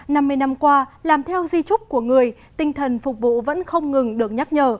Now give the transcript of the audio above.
năm mươi năm qua làm theo di trúc của người tinh thần phục vụ vẫn không ngừng được nhắc nhở